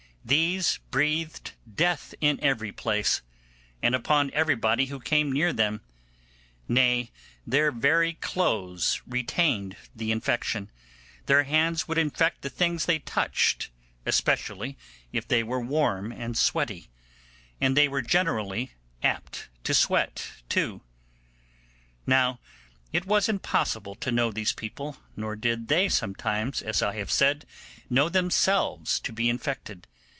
These breathed death in every place, and upon everybody who came near them; nay, their very clothes retained the infection, their hands would infect the things they touched, especially if they were warm and sweaty, and they were generally apt to sweat too. Now it was impossible to know these people, nor did they sometimes, as I have said, know themselves to be infected.